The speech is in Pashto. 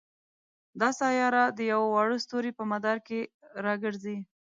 دا سیاره د یوه واړه ستوري په مدار کې را ګرځي.